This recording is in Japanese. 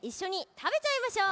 たべちゃいましょう！